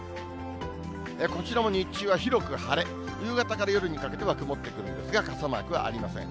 こちらも日中は広く晴れ、夕方から夜にかけては曇ってくるんですが、傘マークはありません。